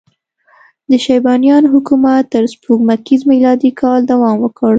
د شیبانیانو حکومت تر سپوږمیز میلادي کاله دوام وکړ.